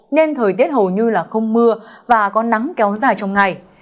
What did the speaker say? nên thời tiết hầu như không mưa và có nắng kéo dài trong ngày